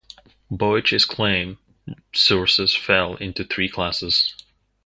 Boece's claimed sources fell into three classes.